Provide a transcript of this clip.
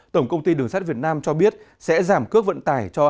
tổng công ty đường sát việt nam cho biết sẽ giảm cước vận tải cho hàng